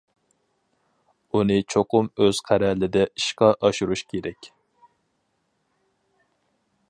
ئۇنى چوقۇم ئۆز قەرەلىدە ئىشقا ئاشۇرۇش كېرەك.